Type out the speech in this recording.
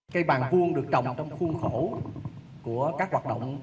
cây bàn vuông được trồng trong khuôn khổ của các hoạt động